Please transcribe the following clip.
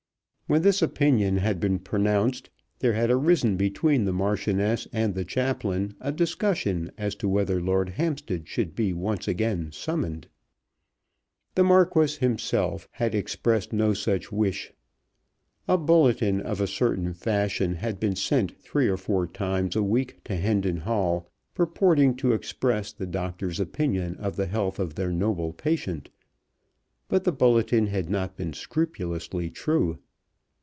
When this opinion had been pronounced there had arisen between the Marchioness and the chaplain a discussion as to whether Lord Hampstead should be once again summoned. The Marquis himself had expressed no such wish. A bulletin of a certain fashion had been sent three or four times a week to Hendon Hall purporting to express the doctor's opinion of the health of their noble patient; but the bulletin had not been scrupulously true.